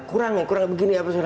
kurang ya kurang begini apa